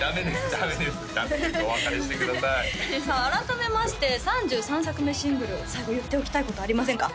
ダメですお別れしてくださいさあ改めまして３３作品目シングル最後言っておきたいことありませんか？